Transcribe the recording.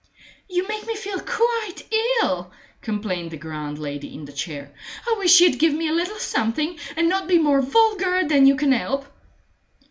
"You make me feel quite ill," complained the grand lady in the chair. "I wish you'd give me a little something, and not be more vulgar than you can 'elp."